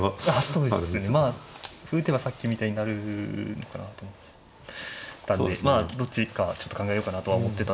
そうですねまあ歩打てばさっきみたいになるのかなと思ったんでまあどっちかちょっと考えようかなとは思ってたんですけど